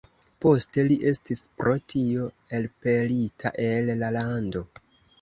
Poste li estis pro tio elpelita el la lando.